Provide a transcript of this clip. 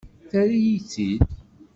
Terra-yi-tt-id.